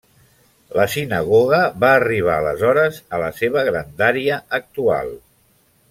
La sinagoga va arribar aleshores a la seva grandària actual.